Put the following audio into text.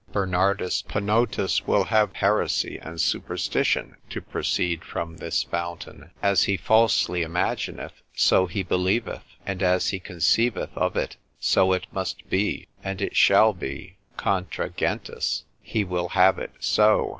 Bernardus Penottus will have heresy and superstition to proceed from this fountain; as he falsely imagineth, so he believeth; and as he conceiveth of it, so it must be, and it shall be, contra gentes, he will have it so.